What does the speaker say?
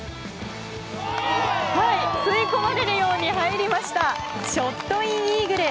吸い込まれるように入りましたショットインイーグル！